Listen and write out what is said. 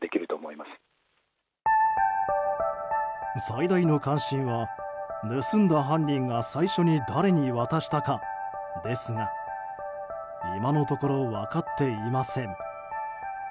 最大の関心は、盗んだ犯人が最初に誰に渡したかですが今のところ分かっていません。